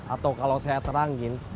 atau kalau saya terangin